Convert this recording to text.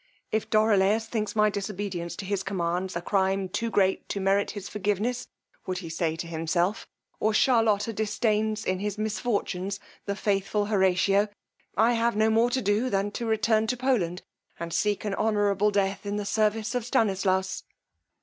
If Dorilaus thinks my disobedience to his commands a crime too great to merit his forgiveness, would he say to himself, or Charlotta disdains, in his misfortunes, the faithful Horatio, I have no more to do than to return to Poland and seek an honourable death in the service of Stanislaus.